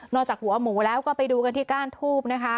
จากหัวหมูแล้วก็ไปดูกันที่ก้านทูบนะคะ